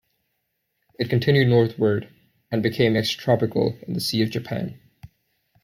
It continued northward, and became extratropical in the Sea of Japan.